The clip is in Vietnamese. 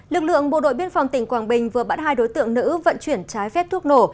lực lượng bộ đội biên phòng tỉnh quảng bình vừa bắt hai đối tượng nữ vận chuyển trái phép thuốc nổ